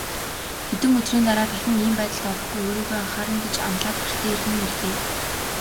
Хэдэн өдрийн дараа дахин ийм байдалд орохгүй, өөрийгөө анхаарна гэж амлаад гэртээ эргэн ирлээ.